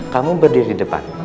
kamu berdiri di depan